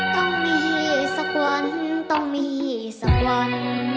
ต้องมีสักวันต้องมีสักวัน